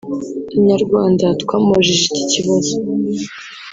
Inyarwanda twamubajije iki kibazo